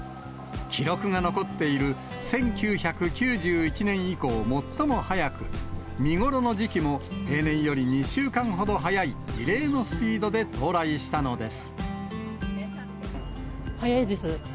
記録が残っている１９９１年以降最も早く、見頃の時期も平年より２週間ほど早い、異例のスピードで到来した早いです。